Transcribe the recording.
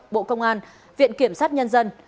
bộ công an viện kiểm sát nhân dân